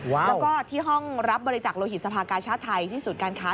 แล้วก็ที่ห้องรับบริจาคโลหิตสภากาชาติไทยที่ศูนย์การค้า